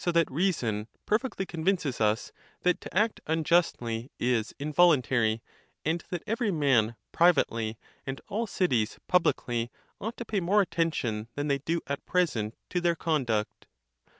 469 that reason perfectly convinces us, that to act unjustly is in voluntary; and that every man privately, and all cities pub licly, ought to pay more attention than they do. at present to their conduct."